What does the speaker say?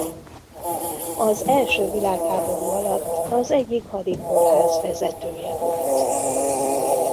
Az első világháború alatt az egyik hadikórház vezetője volt.